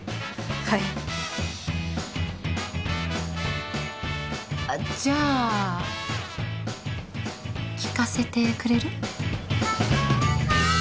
はいあっじゃあ聴かせてくれる？